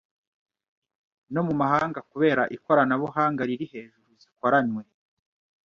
no mu mahanga kubera ikorabanuhanga riri hejuru zikoranywe